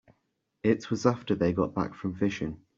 It was after they got back from fishing.